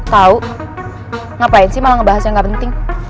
tau ngapain sih malah ngebahas yang gak penting